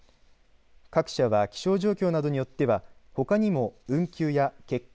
各社は気象状況などによってはほかにも運休や欠航